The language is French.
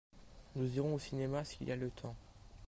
nous irons au cinéma s'il y a le temps.